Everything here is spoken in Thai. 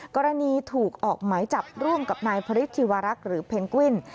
กรณีถูกออกหมายจับร่วมกับนายพระฤทธิวารักษ์หรือเพนกวิน